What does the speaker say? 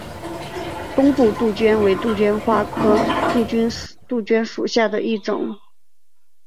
工布杜鹃为杜鹃花科杜鹃属下的一个种。